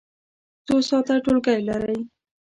څو ساعته ټولګی لرئ؟